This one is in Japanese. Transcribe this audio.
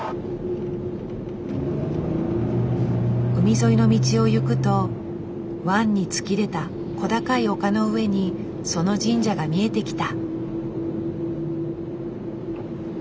海沿いの道を行くと湾に突き出た小高い丘の上にその神社が見えてきた。